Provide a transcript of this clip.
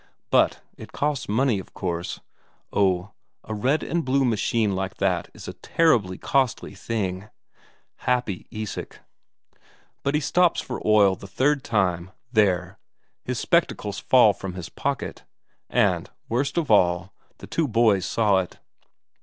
But it costs money, of course oh, a red and blue machine like that is a terribly costly thing! Happy Isak! But as he stops for oil the third time, there! his spectacles fall from his pocket. And, worst of all, the two boys saw it.